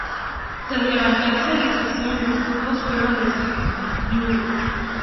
Tras levantarse la sanción, los cupos fueron restituidos.